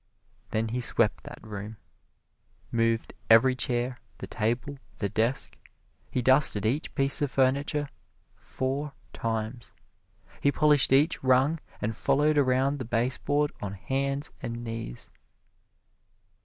Then he swept that room moved every chair, the table, the desk. He dusted each piece of furniture four times. He polished each rung and followed around the baseboard on hands and knees.